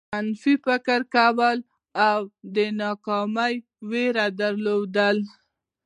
منفي فکر کول او د ناکامۍ وېره درلودل.